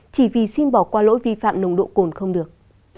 chỉ vì xin bỏ qua lỗi vi phạm nồng độ cồn không được